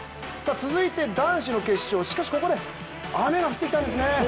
続いて、男子の決勝しかしここで雨が降ってきたんですね。